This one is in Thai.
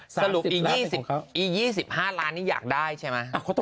สรุปอีก๒๕ล้านนี่อยากได้ใช่ไหม